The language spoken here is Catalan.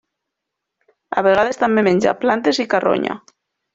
A vegades també menja plantes i carronya.